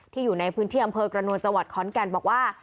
อยู่ในพื้นที่อำเภอกระนวลจังหวัดขอนแก่นบอกว่า